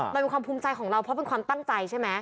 มันเป็นความภูมิใจของเราเพราะเป็นความตั้งใจใช่ไหม